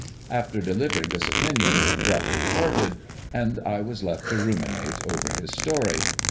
After delivering this opinion Drupp departed and I was left to ruminate over his story.